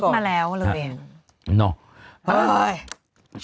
คิดมาแล้วเลยเอง